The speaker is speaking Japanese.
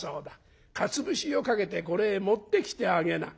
かつ節をかけてこれへ持ってきてあげな」。